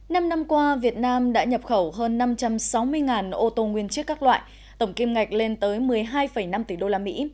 năm năm qua việt nam đã nhập khẩu hơn năm trăm sáu mươi ô tô nguyên chiếc các loại tổng kim ngạch lên tới một mươi hai năm tỷ usd